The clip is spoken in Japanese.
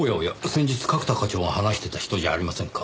先日角田課長が話してた人じゃありませんか。